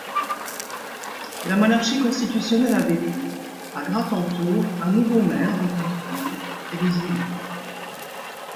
La monarchie constitutionnelle a vécu… À Gratentour, un nouveau maire, Antoine Fournier, est désigné.